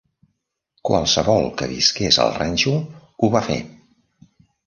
Qualsevol que visqués al ranxo ho va fer.